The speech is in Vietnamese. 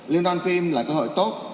liên đoàn phim là cơ hội tốt